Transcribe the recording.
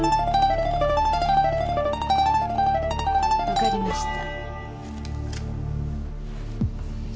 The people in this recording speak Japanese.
分かりました。